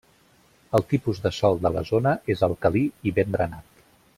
El tipus de sòl de la zona és alcalí i ben drenat.